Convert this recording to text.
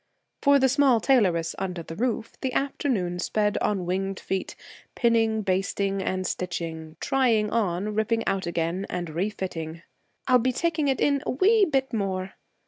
For the small tailoress under the roof, the afternoon sped on winged feet: pinning, basting, and stitching; trying on, ripping out again, and re fitting. 'I'll be taking it in a wee bit more.'